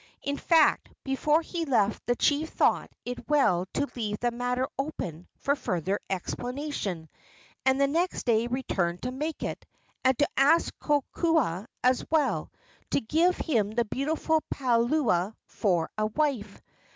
In fact, before he left the chief thought it well to leave the matter open for further explanation, and the next day returned to make it, and to ask Kokoa, as well, to give him the beautiful Palua for a wife.